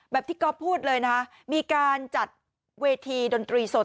แบบที่ก๊อฟพูดเลยนะมีการจัดเวทีดนตรีสด